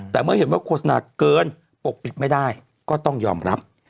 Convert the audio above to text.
แต่เมื่อเห็นว่าโฆษณาเกินปกปิดไม่ได้ก็ต้องยอมรับ